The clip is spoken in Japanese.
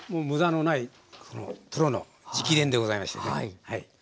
無駄のないプロの直伝でございましてね。